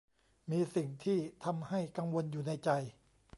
มีสิ่งที่ทำให้กังวลอยู่ในใจ